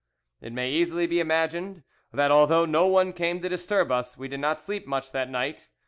"It may easily be imagined that although no one came to disturb us we did not sleep much that night.